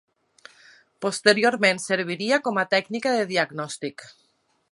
Posteriorment serviria com a tècnica de diagnòstic.